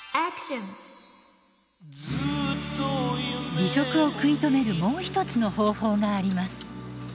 離職を食い止めるもう一つの方法があります。